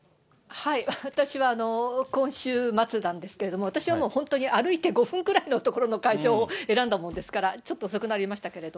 私は今週末なんですけれども、私はもう本当に歩いて５分くらいの所の会場を選んだものですから、ちょっと遅くなりましたけれども。